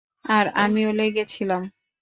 আর আমিও লেগে ছিলাম।